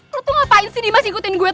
lo tuh ngapain sih dimas ikutin gue terus